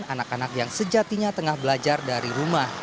anak anak yang sejatinya tengah belajar dari rumah